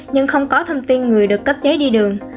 nhưng không có thông tin người được cấp giấy đi đường